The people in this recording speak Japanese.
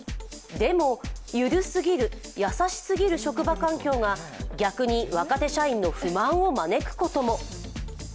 でも、ゆるすぎる、やさしすぎる職場環境が逆に若手社員の不満を招くことも。